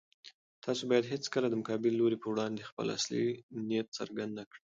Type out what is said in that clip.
تاسو بايد هيڅکله د مقابل لوري په وړاندې خپل اصلي نيت څرګند نه کړئ.